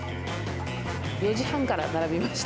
４時半から並びました。